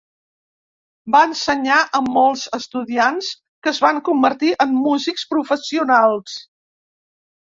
Va ensenyar a molts estudiants que es van convertir en músics professionals.